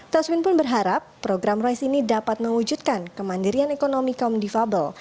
taswin pun berharap program royce ini dapat mewujudkan kemandirian ekonomi kaum difabel